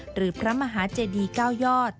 หรือพระมหาเจดีย์เก้ายอด